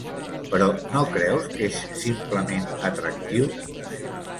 Però no creus que és simplement atractiu?